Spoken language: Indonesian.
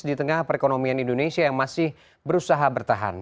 di tengah perekonomian indonesia yang masih berusaha bertahan